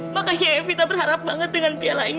makanya evita berharap banget dengan piala ini